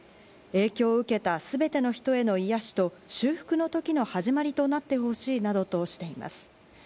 影響を受けた全ての人への癒やしと修復の時の始まりとなってほしいなどとしています。